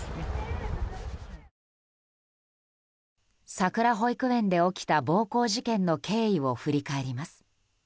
さくら保育園で起きた暴行事件の経緯を振り返ります。